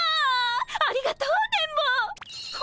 ありがとう電ボ！